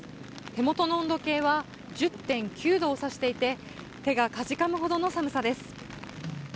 手元の温度計は１０．９度をさしていて、手がかじかむほどの寒さです。